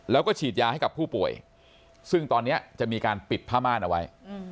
แล้วก็ฉีดยาให้กับผู้ป่วยซึ่งตอนนี้จะมีการปิดผ้าม่านเอาไว้